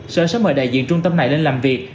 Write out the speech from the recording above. sở sẽ mời đại diện trung tâm này lên làm việc